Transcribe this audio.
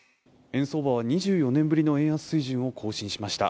円相場は２４年ぶりの円安を更新しました。